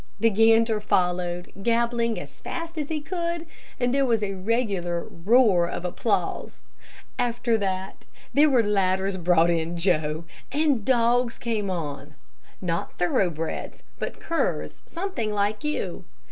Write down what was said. The gander followed, gabbling as fast as he could, and there was a regular roar of applause. "After that, there were ladders brought in, Joe, and dogs came on; not thoroughbreds, but curs something like you.